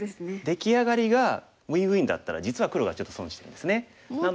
出来上がりがウインウインだったら実は黒がちょっと損してるんですね。